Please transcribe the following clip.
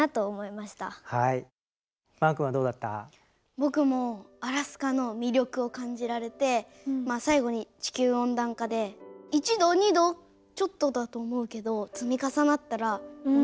僕もアラスカの魅力を感じられて最後に地球温暖化で１度２度ちょっとだと思うけど積み重なったら何度にもなっていく。